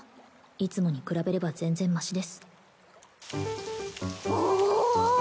いつもに比べれば全然マシですおお！